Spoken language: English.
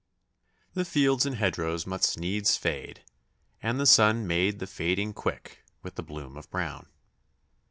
The fields and hedgerows must needs fade, and the sun made the fading quick with the bloom of brown.